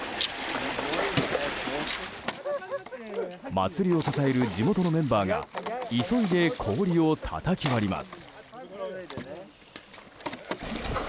祭りを支える地元のメンバーが急いで氷をたたき割ります。